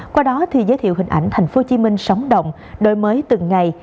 qua đó thì giới thiệu hình ảnh tp hcm sóng động đổi mới từng ngày